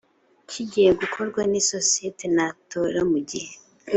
kigiye gukorwa n isosiyete ntatora mu gihe